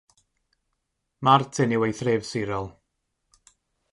Martin yw ei thref sirol.